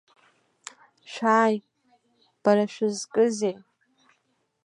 Шәааи, бара шәызкызеи!